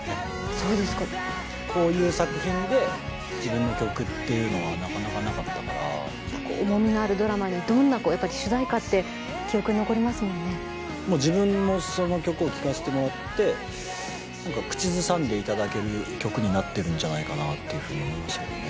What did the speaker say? そうですかこういう作品で自分の曲っていうのはなかなかなかったから重みのあるドラマにどんなこうやっぱり主題歌って記憶に残りますもんねなんか口ずさんでいただける曲になってるんじゃないかなっていうふうに思いましたけどね